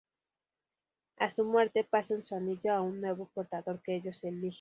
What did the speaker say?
A su muerte, pasan su anillo a un nuevo portador que ellos eligen.